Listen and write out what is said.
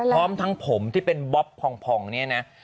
พร้อมทั้งผมที่เป็นบ๊อบพองเนี่ยนะ